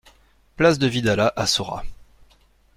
Place de Vidalat à Saurat